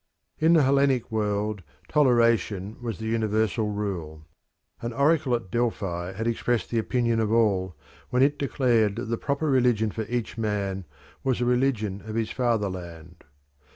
In the Hellenic world toleration was the universal rule. An oracle at Delphi had expressed the opinion of all when it declared that the proper religion for each man was the religion of his fatherland.